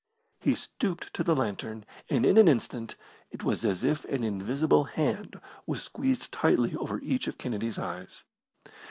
He stooped to the lantern, and in an instant it was as if an invisible hand was squeezed tightly over each of Kennedy's eyes.